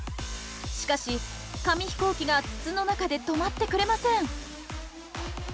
しかし紙飛行機が筒の中で止まってくれません。